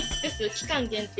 期間限定